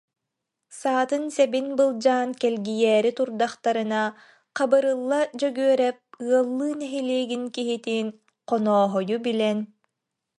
Саатын-сэбин былдьаан кэлгийээри турдахтарына Хабырылла Дьөгүө- рэп ыаллыы нэһилиэгин киһитин, Хонооһойу билэн: